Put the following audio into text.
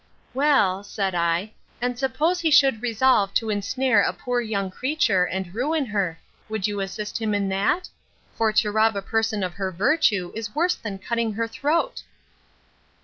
Well, said I, and suppose he should resolve to ensnare a poor young creature, and ruin her, would you assist him in that? For to rob a person of her virtue is worse than cutting her throat.